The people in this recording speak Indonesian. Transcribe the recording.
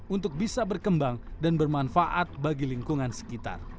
untuk bisa berkembang dan bermanfaat bagi lingkungan sekitar